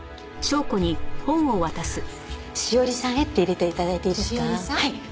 「詩織さんへ」って入れて頂いていいですか？